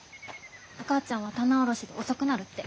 お母ちゃんは棚卸しで遅くなるって。